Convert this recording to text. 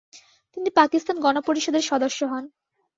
তিনি পাকিস্তান গণপরিষদের সদস্য হন।